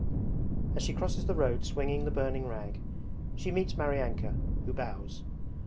As she crosses the road swinging the burning rag, she meets Maryanka, who bows.